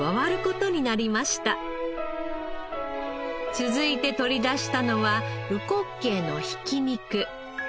続いて取り出したのはうこっけいのひき肉。